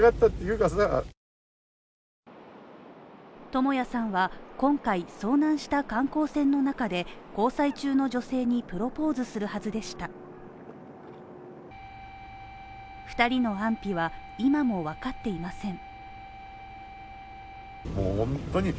智也さんは今回遭難した観光船の中で、交際中の女性にプロポーズするはずでした２人の安否は今もわかっていません。